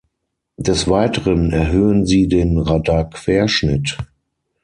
Des Weiteren erhöhen sie den Radarquerschnitt.